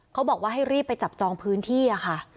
เขาบอกว่าให้รีบไปจับจองพื้นที่ค่ะ